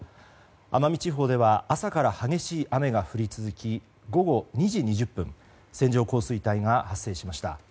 奄美地方では朝から激しい雨が降り続き午後２時２０分線状降水帯が発生しました。